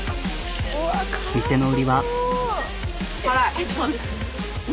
店の売りは。